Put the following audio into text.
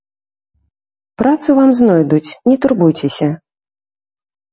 Працу вам знойдуць, не турбуйцеся!